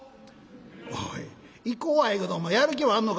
「おい『行こ』はええけどお前やる気はあんのか？」。